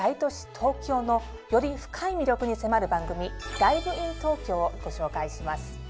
東京のより深い魅力に迫る番組「ＤｉｖｅｉｎＴｏｋｙｏ」をご紹介します。